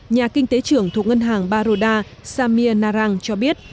nhà kinh tế trưởng thuộc ngân hàng baroda samir narang cho biết